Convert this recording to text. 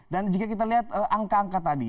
dan jika kita lihat angka angka tadi